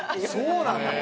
そうなの？